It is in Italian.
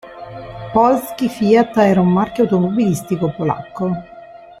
Polski Fiat era un marchio automobilistico polacco.